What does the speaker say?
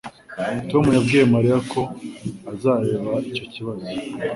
Tom yabwiye Mariya ko azareba icyo kibazo.